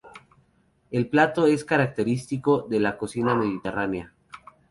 El plato es característico de la cocina mediterránea.